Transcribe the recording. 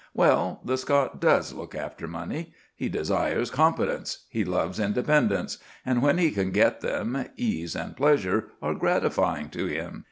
Well, the Scot does look after money: he desires competence, he loves independence; and, when he can get them, ease and pleasure are gratifying to him.